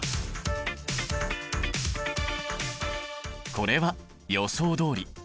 これは予想どおり。